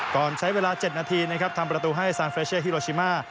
ก่อนใช้เวลา๗นาทีนะครับทำประตูให้ซานเฟรเช่ฮิโรชิมา